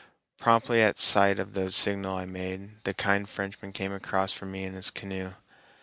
Promptly at sight of the signal I made, the kind Frenchman came across for me in his canoe.